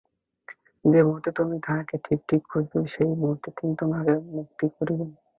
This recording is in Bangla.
যে মুহূর্তে তুমি তাঁহাকে ঠিক ঠিক খুঁজিবে, সেই মুহূর্তেই তিনি তোমাকে মুক্ত করিবেন।